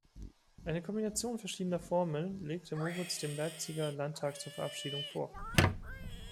Eine Kombination verschiedener Formeln legte Moritz dem Leipziger Landtag zur Verabschiedung vor.